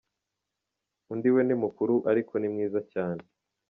Undi we ni mukuru ariko ni mwiza cyane.